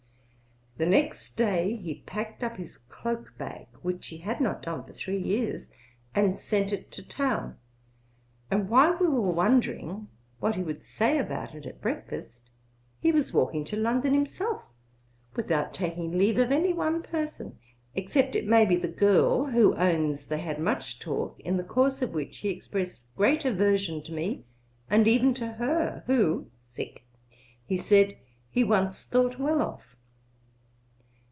The next day he packed up his cloke bag, which he had not done for three years, and sent it to town; and while we were wondering what he would say about it at breakfast, he was walking to London himself, without taking leave of any one person, except it may be the girl, who owns they had much talk, in the course of which he expressed great aversion to me and even to her, who, he said, he once thought well of.'